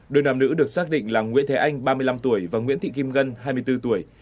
đôi nam nữ được xác định là nguyễn thế anh ba mươi năm tuổi và nguyễn thị kim ngân hai mươi bốn tuổi